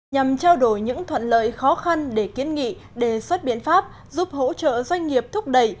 nhằm trao đổi những thuận lợi khó khăn để kiến nghị đề xuất biện pháp giúp hỗ trợ doanh nghiệp thúc đẩy